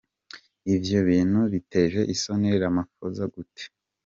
Ivyo bintu biteje isoni Ramaphosa gute?.